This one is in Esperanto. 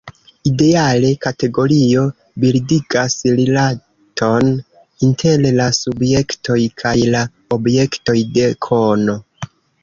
Ideale, kategorio bildigas rilaton inter la subjektoj kaj la objektoj de kono.